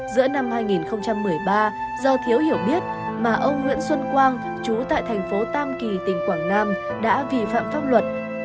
giữa năm hai nghìn một mươi ba do thiếu hiểu biết mà ông nguyễn xuân quang chú tại thành phố tam kỳ tỉnh quảng nam đã vi phạm pháp luật